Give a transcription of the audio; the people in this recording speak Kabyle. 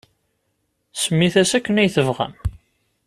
Semmit-as akken ay tebɣam.